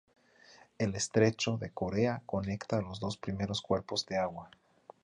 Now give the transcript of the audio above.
El estrecho de Corea conecta los dos primeros cuerpos de agua.